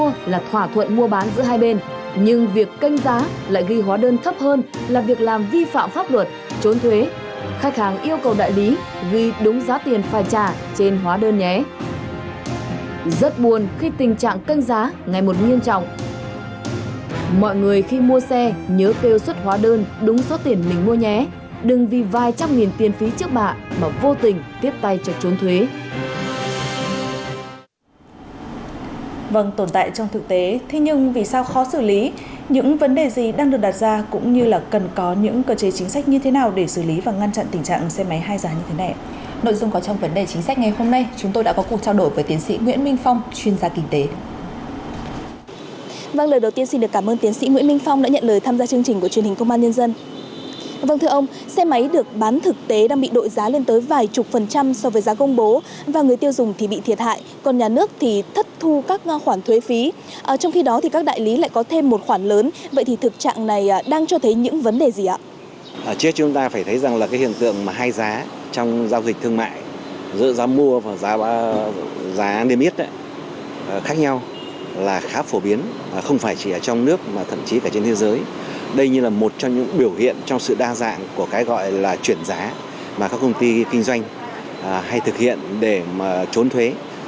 mua là thỏa thuận mua bán giữa hai bên nhưng việc canh giá lại ghi hóa đơn thấp hơn là việc làm vi phạm pháp luật trốn thuế khách hàng yêu cầu đại lý ghi đúng giá tiền phải trả trên hóa đơn nhé rất buồn khi tình trạng canh giá ngày một nghiêm trọng mọi người khi mua xe nhớ kêu xuất hóa đơn đúng số tiền mình mua nhé đừng vì vài trăm nghìn tiền phí trước bạ và vô tình tiếp tay cho trốn thuế